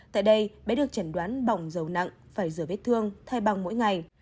tại đây bé được chẩn đoán bỏng dầu nặng phải rửa vết thương thay băng mỗi ngày